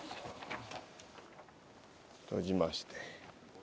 閉じまして。